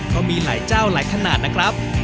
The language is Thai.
ก็มีหลายเจ้าหลายขนาดนะครับ